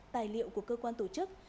tài liệu của cơ quan tổ chức